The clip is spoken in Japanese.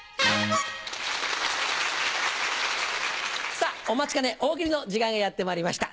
さぁお待ちかね大喜利の時間がやってまいりました。